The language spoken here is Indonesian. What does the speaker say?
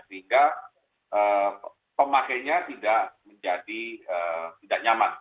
sehingga pemakainya tidak menjadi tidak nyaman